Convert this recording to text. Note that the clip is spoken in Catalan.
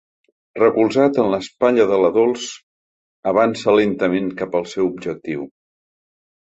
Recolzat en l'espatlla de la Dols, avança lentament cap al seu objectiu.